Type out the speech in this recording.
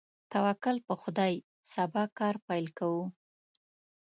توکل په خدای، سبا کار پیل کوو.